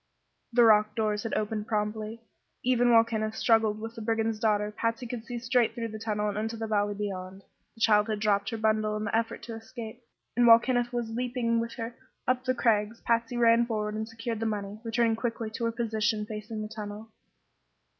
The rock doors had opened promptly. Even while Kenneth struggled with the brigand's daughter Patsy could see straight through the tunnel and into the valley beyond. The child had dropped her bundle in the effort to escape, and while Kenneth was leaping with her up the crags Patsy ran forward and secured the money, returning quickly to her position facing the tunnel.